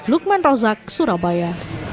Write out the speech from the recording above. lukman rozak surabaya